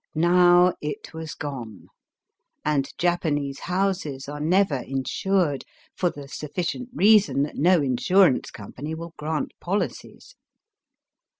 Now it was gone ; and Japanese houses are never insured, for the sufficient reason that no insurance company will grant policies.